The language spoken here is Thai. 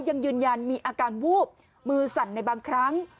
ยังยืนยันมีอาการวูบมือสั่นในบางครั้ง